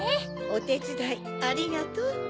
おてつだいありがとう。